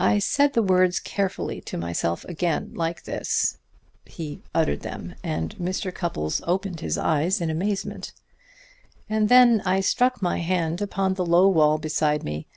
I said the words carefully to myself again, like this " he uttered them, and Mr. Cupples opened his eyes in amazement "and then I struck my hand upon the low wall beside me.